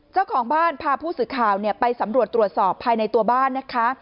เจ้าของบ้านพาผู้สื่อข่าวไปสำรวจตรวจสอบภายในตัวบ้านนะคะ